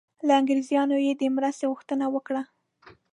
له انګریزانو یې د مرستې غوښتنه وکړه.